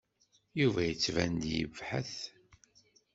Yuba yettban-d yebhet.